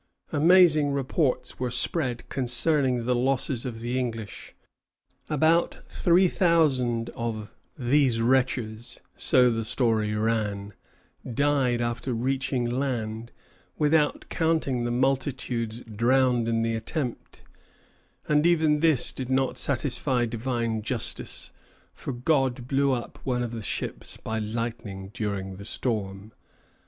Amazing reports were spread concerning the losses of the English. About three thousand of "these wretches" so the story ran died after reaching land, without counting the multitudes drowned in the attempt; and even this did not satisfy divine justice, for God blew up one of the ships by lightning during the storm.